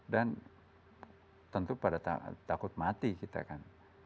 dan tentu pada takut mati kita kan